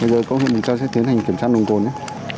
bây giờ có huyện mộc châu sẽ tiến hành kiểm tra nồng cồn nhé